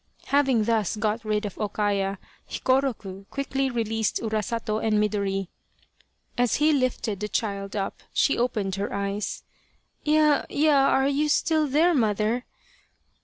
Having thus got rid of O Kaya, Hikoroku quickly released Urasato and Midori. As he lifted the child up she opened her eyes. " Ya, ya ! Are you still there, mother